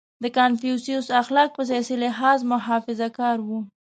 • د کنفوسیوس اخلاق په سیاسي لحاظ محافظهکار وو.